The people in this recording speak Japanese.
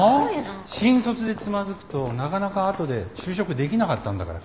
新卒でつまずくとなかなか後で就職できなかったんだから。